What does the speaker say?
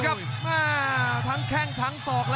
กรรมการเตือนทั้งคู่ครับ๖๖กิโลกรัม